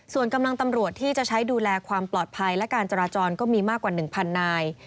ส่วนกำลังตำรวจที่จะใช้ดูแลความปลอดภัยและการจราจรก็มีมากกว่า๑๐๐นาย